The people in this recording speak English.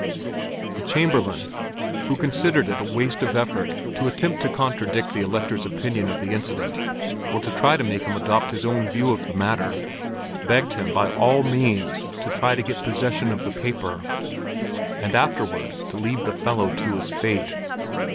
The Chamberlain, who considered it a waste of effort to attempt to contradict the Elector's opinion of the incident or to try to make him adopt his own view of the matter, begged him by all means to try to get possession of the paper and afterward to leave the fellow to his fate.